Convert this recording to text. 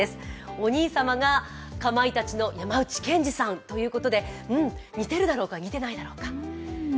お兄さまがかまいたちの山内健司さんということでうん、似ているだろうか似ていないだろうか。